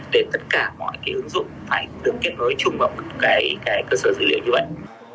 để tất cả mọi cái ứng dụng phải đứng kết nối chung vào một cái cơ sở dữ liệu như vậy